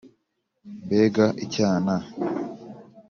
mbega icyana